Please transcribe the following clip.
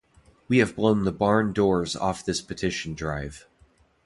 We have blown the barn doors off this petition drive.